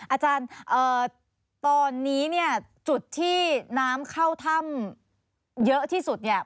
อาจารย์ตอนนี้จุดที่น้ำเข้าท่ำเยอะที่สุด